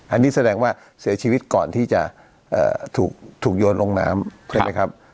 อันนี้แสดงว่าเสียชีวิตก่อนที่จะถูกโยนลงน้ำใช่ไหมครับ